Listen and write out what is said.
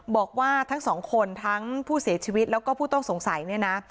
บอกว่าทั้งสองคนทั้งผู้เสียชีวิตแล้วก็ผู้ต้องสงสัยเนี่ยนะ